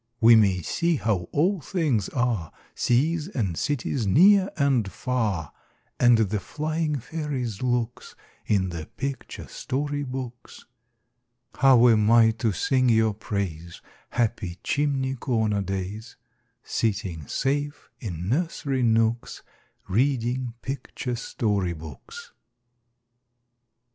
We may see how all things are, Seas and cities, near and far, And the flying fairies' looks, In the picture story books. How am I to sing your praise, Happy chimney corner days, Sitting safe in nursery nooks, Reading picture story books?